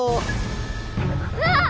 うわっ！